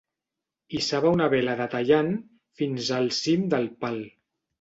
Hissava una vela de tallant fins al cim del pal.